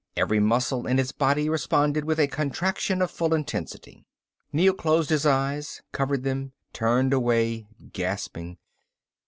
Every muscle in his body responded with a contraction of full intensity. Neel closed his eyes, covered them, turned away gasping.